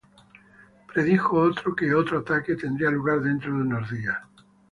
Predijo otro que otro ataque tendría lugar dentro de unos días.